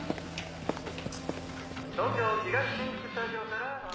「東京東新宿スタジオから生放送」